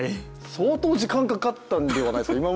相当時間かかったんではないですか？